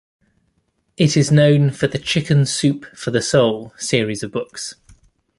It is known for the "Chicken Soup for the Soul" series of books.